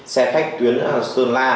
xe khách tuyến sơn la